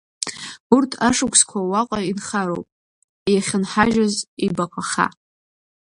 Урҭ ашықәсқәа уаҟа инхароуп, иахьынҳажьыз ибаҟаха.